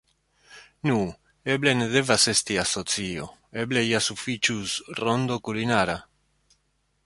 Nu, eble ne devas esti asocio; eble ja sufiĉus “Rondo Kulinara.